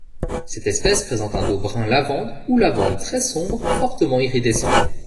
Cette espèce présente un dos brun lavande ou lavande très sombre fortement iridescent.